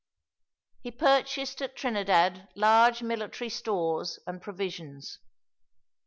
He purchased at Trinidad large military stores and provisions.